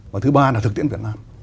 và thứ ba là thực tiễn việt nam